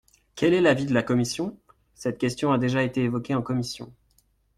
Quel est l’avis de la commission ? Cette question a déjà été évoquée en commission.